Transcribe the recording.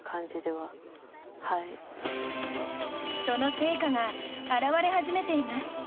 その成果が表れ始めています。